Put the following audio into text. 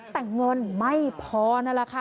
แต่เงินไม่พอนั่นแหละค่ะ